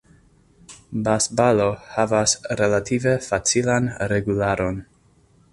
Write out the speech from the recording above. Basbalo havas relative facilan regularon.